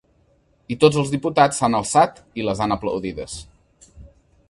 I tots els diputats s’han alçat i les han aplaudides.